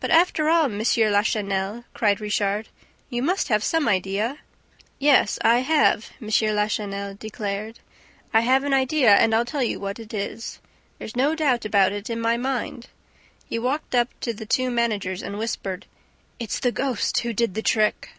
"But, after all, M. Lachenel," cried Richard, "you must have some idea." "Yes, I have," M. Lachenel declared. "I have an idea and I'll tell you what it is. There's no doubt about it in my mind." He walked up to the two managers and whispered. "It's the ghost who did the trick!"